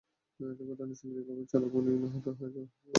এতে ঘটনাস্থলে পিকআপের চালক মানিক নিহত এবং বাসের পাঁচ যাত্রী আহত হন।